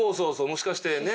もしかしてね。